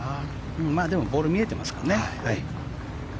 まあ、でもボールは見えてますからね。